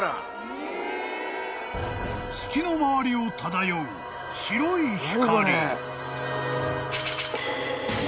［月の周りを漂う白い光］